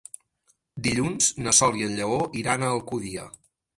Dilluns na Sol i en Lleó iran a Alcúdia.